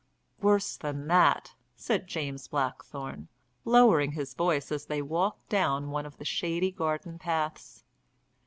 "Worse than that," said James Blackthorne, lowering his voice as they walked down one of the shady garden paths.